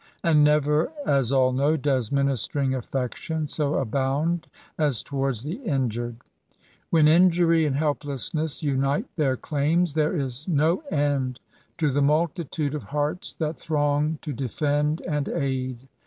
And never^ as all know5 does ministering affection so abound as towards the injured. When injury and helplessness unite their claims^ there is no end to the multitude of hearts that throng to defend and aid.